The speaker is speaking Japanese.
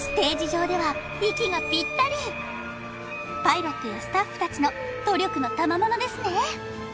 上では息がぴったりパイロットやスタッフ達の努力のたまものですね